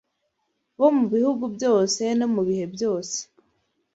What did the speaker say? bo mu bihugu byose no mu bihe byose.